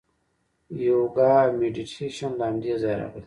یوګا او میډیټیشن له همدې ځایه راغلي.